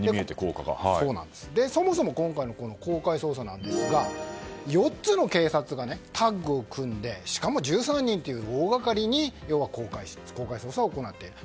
そもそも今回の公開捜査なんですが４つの警察がタッグを組んでしかも１３人という大掛かりに公開捜査を行っている。